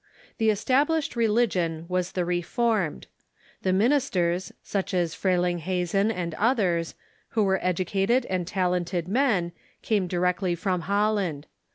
The es tablished religion was the Reformed. The ministers, such as Frelinghuysen and others, who were educated and talented men, came directly from Holland.